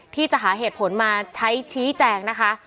ที่จะหาเหตุผลมาใช้ชี้แจงนะคะ